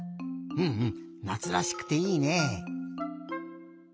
うんうんなつらしくていいねえ。